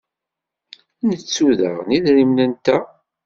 Nettu daɣen idrimen-nteɣ.